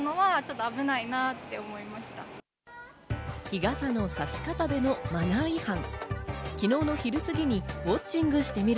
日傘のさし方でのマナー違反。